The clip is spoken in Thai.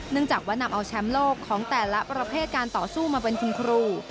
จากว่านำเอาแชมป์โลกของแต่ละประเภทการต่อสู้มาเป็นคุณครู